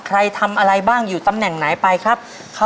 ทำอะไรบ้างอยู่ตำแหน่งไหนไปครับ